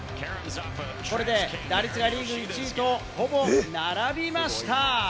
これで打率がリーグ１位とほぼ並びました。